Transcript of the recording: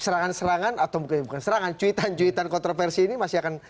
serangan serangan atau bukan serangan cuitan cuitan kontroversi ini masih akan